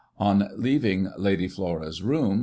On leaving Lady Flora's room.